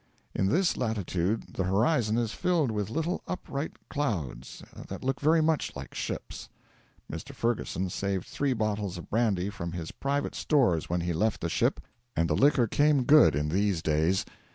'In this latitude the horizon is filled with little upright clouds that look very much like ships.' Mr. Ferguson saved three bottles of brandy from his private stores when he left the ship, and the liquor came good in these days.